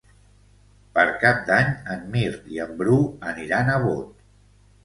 Per Cap d'Any en Mirt i en Bru aniran a Bot.